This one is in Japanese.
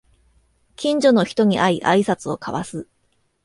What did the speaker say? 近所の人に会いあいさつを交わす